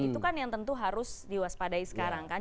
itu kan yang tentu harus diwaspadai sekarang kan